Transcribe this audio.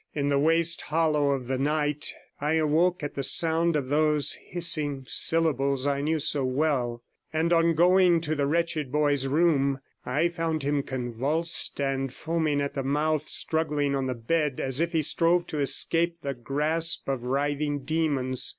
In the waste hollow of the night I awoke at the sound of those hissing syllables I knew so well; and on going to the wretched boy's room, I found him convulsed and foaming at the mouth, struggling on the bed as if he strove to escape the grasp of writhing demons.